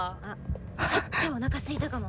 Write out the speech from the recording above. ちょっとおなかすいたかも。